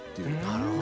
なるほど。